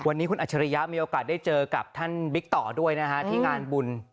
วันนี้คุณอัจฉริยะมีโอกาสได้เจอกับท่านบิ๊กต่อด้วยนะฮะที่งานบุญ